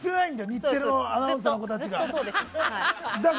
日テレのアナウンサーの子たちが。